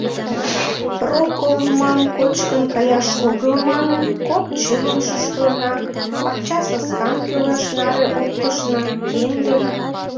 Роколмам кочкын каяш огыл манын, кок чывым шӱшкылна, пакчасаскам кӱлеш наре оптышна, киндым.